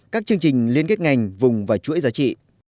các chương trình liên kết ngành vùng và chuỗi giá trị